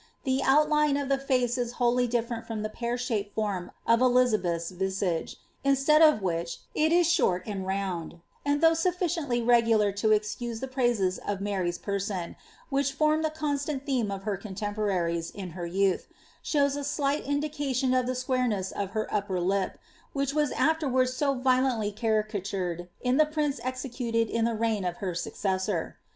The oatline of the bee it wholly different from the pear shaped form of Elizabeth's Tisage, instead of which, it is short and round, and though sufficiently regular to ezcoR the praises of Mary's person, which formed the constant theme of Imt contemporaries in her youth, shows a slight indication of the aqutreBai on the upper lip, which ^'as aiVerwards so riolently caricatured in the prints executed in the reign of her successor.